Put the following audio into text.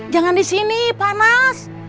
jangan disini panas